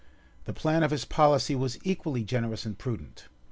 The plan of his policy was equally generous and prudent.